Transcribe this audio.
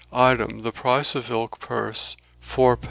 "Item, the price of ilk purse iiij d.